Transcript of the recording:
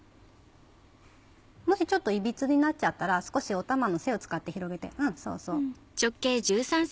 もしちょっといびつになっちゃったら少しお玉の背を使って広げてうんそうそう。